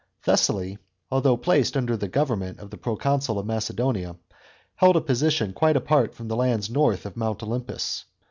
Thessaly, although placed under the government of the proconsul of Macedonia, held a position quite apart from the lands north of Mount Olympus.